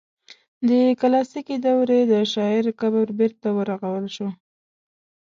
د کلاسیکي دورې د شاعر قبر بیرته ورغول شو.